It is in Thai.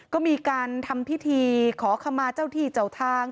ก็มีการทำพิธีขอขมาเจ้าที่เจ้าทาง